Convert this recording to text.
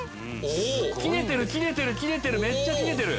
切れてる切れてる切れてるめっちゃ切れてる！